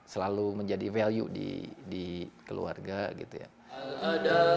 selalu menjadi value di keluarga gitu ya